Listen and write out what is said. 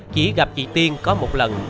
chỉ gặp chị tiên có một lần